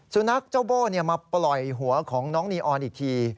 สุนัขเจ้าโบ้มาปล่อยหัวของน้องนีออนอีกที